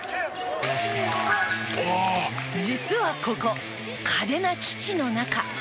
実はここ嘉手納基地の中。